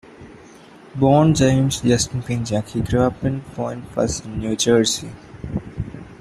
Born James Justin Pinchak, he grew up in Point Pleasant, New Jersey.